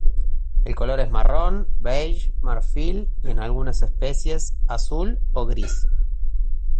El color es marrón, beige, marfil, y en algunas especies azul o gris.